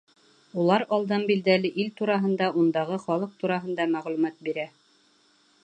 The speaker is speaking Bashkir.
Улар алдан билдәле ил тураһында, ундағы халыҡ тураһында мәғлүмәт бирә.